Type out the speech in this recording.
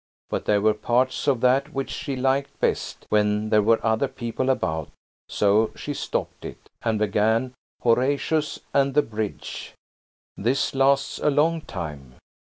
but there were parts of that which she liked best when there were other people about–so she stopped it, and began "Horatius and the Bridge." This lasts a long time.